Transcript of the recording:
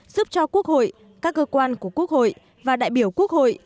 giúp cho quốc hội các cơ quan của quốc hội và đại biểu quốc hội